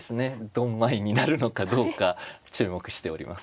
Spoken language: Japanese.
ドンマイになるのかどうか注目しております。